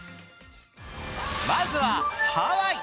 まずはハワイ！